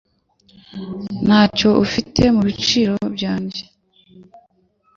Ntacyo ufite mubiciro byanjye?